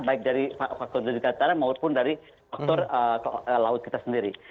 baik dari faktor dari negara maupun dari faktor laut kita sendiri